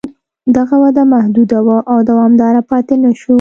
دغه وده محدوده وه او دوامداره پاتې نه شوه